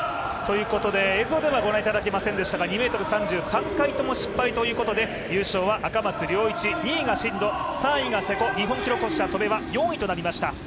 映像ではご覧いただけませんでしたが２ｍ３０、３回とも失敗ということで優勝は赤松諒一、２位が真野３位が瀬古、日本記録保持者戸邉は４位となりました。